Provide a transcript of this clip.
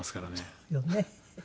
そうよね。